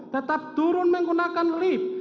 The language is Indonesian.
tetap turun menggunakan lift